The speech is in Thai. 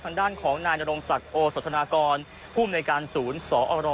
ทางด้านของนายนโรงศักดิ์โอสัตว์ธนากรภูมิในการศูนย์สอร